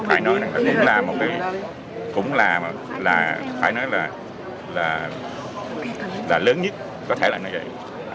phải nói là cũng là một cái cũng là phải nói là là lớn nhất có thể là như vậy